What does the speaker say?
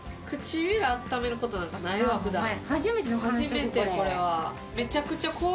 初めてこれは。